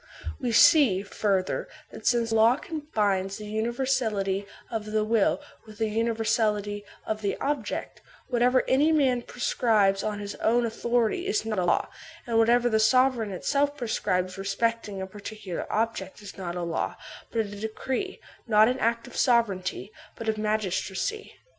We see, further, that since the law combines the uni versality of the will with the universality of the object, whatever any man prescribes on his own authority is not a law; and whatever the sovereign itself prescribes respect ing a particular object is not a law, but a decree, not an act of sovereignty, but of magistracy.